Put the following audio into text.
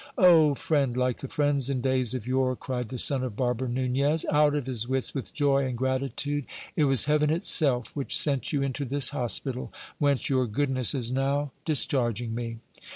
O friend like the friends in days of yore, cried the son of barber Nunez, out of his wits with joy and gratitude, it was heaven itself which sent you into this hospital, whence your goodness is now discharging me